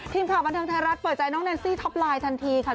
ทีมข่าวบันเทิงไทยรัฐเปิดใจน้องแนนซี่ท็อปไลน์ทันทีค่ะ